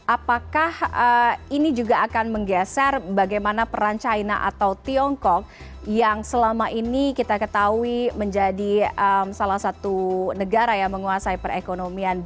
apakah ini juga akan menggeser bagaimana peran china atau tiongkok yang selama ini kita ketahui menjadi salah satu negara yang menguasai perekonomian